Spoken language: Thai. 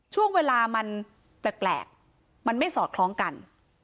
ช่วงเวลามันแปลกมันไม่สอดคล้องกัน